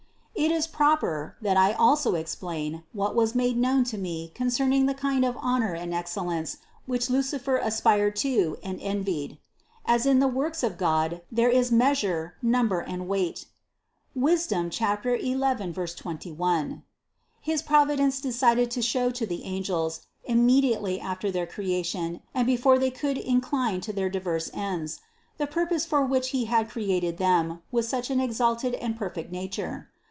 87. It is proper, that 1 also explain what was made known to me concerning the kind of honor and excel lence, which Lucifer aspired to and envied. As in the works of God there is measure, number and weight (Wis. 11, 21), his Providence decided to show to the angels, immediately after their creation and before they could incline to diverse ends, the purpose for which He had created them with such an exalted and perfect na ture.